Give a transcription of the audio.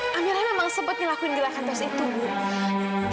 bu amirah memang sempat ngelakuin gerakan tos itu bu